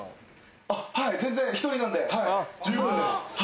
あっはい全然１人なんではい十分です。